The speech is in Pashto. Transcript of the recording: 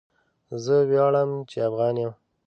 زه ویاړم چی افغان يم